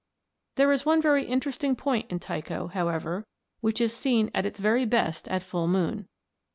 "There is one very interesting point in Tycho, however, which is seen at its very best at full moon.